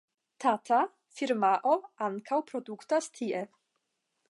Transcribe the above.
Tata (firmao) ankaŭ produktas tie.